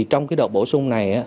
trong đợt bổ sung này